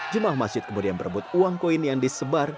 jemaah masjid kemudian berebut uang koin yang disebar